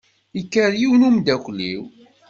Yekker yiwen n umdakel-iw.